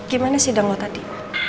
gimana sih deng lo tadi